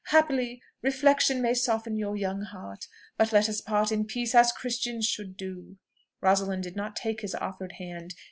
Haply, reflection may soften your young heart. But let us part in peace, as Christians should do." Rosalind did not take his offered hand.